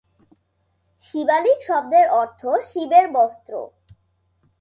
শিবালিক শব্দের অর্থ 'শিবের বস্ত্র'।